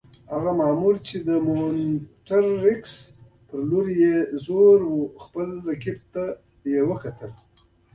هغه مامور چې د مونټریکس پر لور یې زور وو، خپل رقیب ته وکتل.